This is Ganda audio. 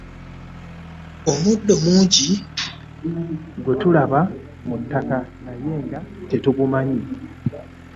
Omuddo mungi gwe tulaba ku ttale naye nga tetugumanyi.